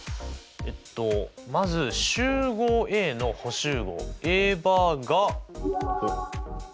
えっとまず集合Ａの補集合Ａバーがこう。